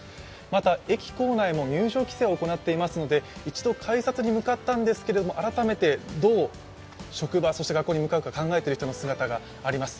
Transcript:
また駅構内も入場規制を行っていますので、一度改札に向かったんですけれども、改めてどう職場、そして学校に向かうか考えている人の姿があります。